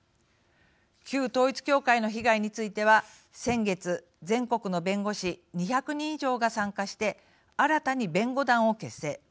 旧統一教会の被害については先月、全国の弁護士２００人以上が参加して新たに弁護団を結成。